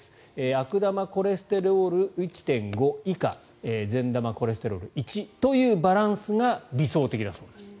悪玉コレステロール１．５以下善玉コレステロール、１というバランスが理想的だそうです。